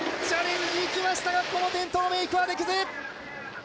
チャレンジいきましたがこの転倒、メイクはできず！